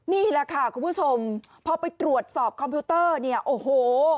นี่แหละค่ะคุณผู้ชมพอไปตรวจสอบคอมพิวเตอร์เนี่ยโอ้โห